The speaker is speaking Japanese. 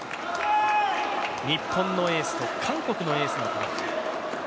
日本のエースと韓国のエースの戦い。